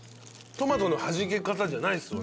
トマトのはじけ方じゃないっすわ。